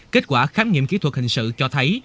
kết quả khám nghiệm kỹ thuật hình sự cho thấy